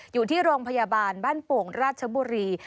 อยู่ที่โรงพยาบาลบ้านโป่งราชบุรี